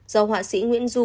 do họa sĩ nguyễn du